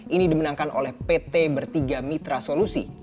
ini dimenangkan oleh pt bertiga mitra solusi